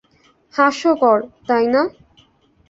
হাস্যকর, তাইনা?